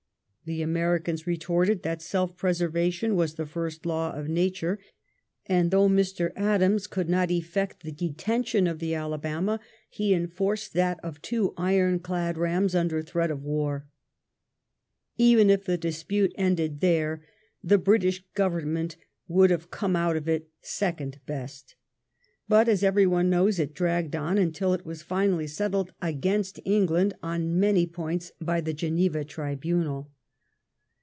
The Americans retorted that self preser vation was the first law of nature ; and, though Mr« 16 2» LIFE OF nSCOUNT PALMEB8T0N. Adams ooold not effect the detention of the Alabama^ be enforced that of two ironclad rams under threat of war. Even if the dispnie ended there, the British Oovemment would have come out of it second best ; bQt» as everyone knows, it dragged on until it was finally settled against England on most points by the Geneva tribunal.